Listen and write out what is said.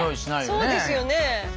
そうですよね。